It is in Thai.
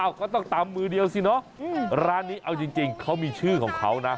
ก็ต้องตำมือเดียวสิเนอะร้านนี้เอาจริงเขามีชื่อของเขานะ